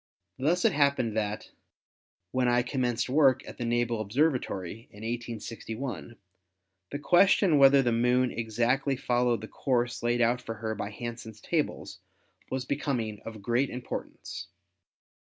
Thus it hap pened that, when I commenced work at the Naval Ob servatory in 1861, the question whether the Moon exactly followed the course laid out for her by Hansen's tables was becoming of great importance.